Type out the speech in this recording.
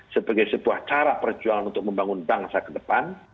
sebagai sebuah cara perjuangan untuk membangun bangsa ke depan